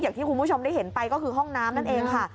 อย่างที่คุณผู้ชมได้เห็นไปก็คือห้องน้ำนั่นเองค่ะ